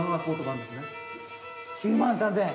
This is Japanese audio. ９万３，０００円。